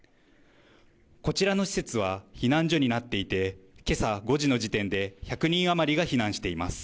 こちらの施設は避難所になっていて、けさ５時の時点で１００人余りが避難しています。